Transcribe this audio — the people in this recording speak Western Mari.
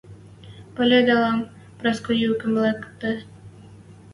«Пӓлӹделам... Праско юкым лыкде...